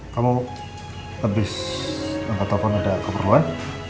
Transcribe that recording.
kamu habis angkat telepon ada keperluan